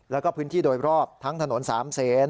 แล้วก็พื้นที่โดยรอบทางถนนสามเศส